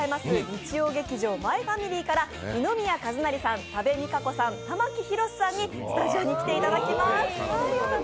日曜劇場「マイファミリー」から二宮和也さん、多部未華子さん、玉木宏さんにスタジオに来ていただきます。